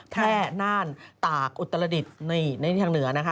แพร่น่านตากอุตรดิษฐ์ในทางเหนือนะคะ